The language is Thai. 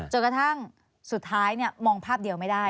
จนกระทั่งสุดท้ายมองภาพเดียวไม่ได้